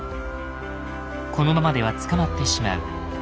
このままでは捕まってしまう。